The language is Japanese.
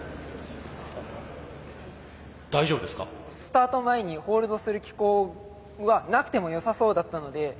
スタートの前にホールドする機構はなくてもよさそうだったので。